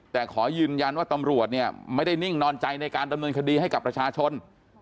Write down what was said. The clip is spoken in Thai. แต่ขอยืนยันว่าตำรวจเนี่ยไม่ได้นิ่งนอนใจในการดำเนินคดีให้กับประชาชน